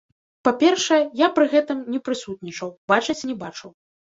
Па-першае, я пры гэтым не прысутнічаў, бачыць не бачыў.